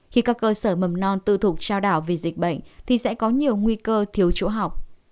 khi các cơ sở mầm non tư thục trao đảo vì dịch bệnh thì sẽ có nhiều nguy cơ thiếu chỗ học